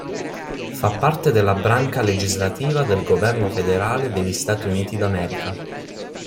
Fa parte della branca legislativa del Governo federale degli Stati Uniti d'America.